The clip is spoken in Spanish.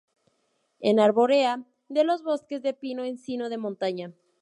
Es arbórea de los bosques de pino-encino de montaña.